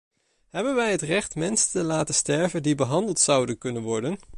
Hebben wij het recht mensen te laten sterven die behandeld zouden kunnen worden?